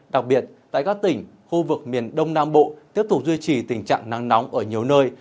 đặc biệt tại các tỉnh khu vực miền đông nam bộ tiếp tục duy trì tình trạng nắng nóng ở nhiều nơi